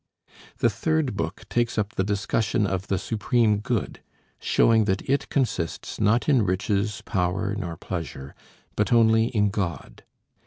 The third book takes up the discussion of the Supreme Good, showing that it consists not in riches, power, nor pleasure, but only in God.